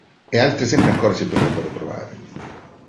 E altri esempi ancora si potrebbero trovare.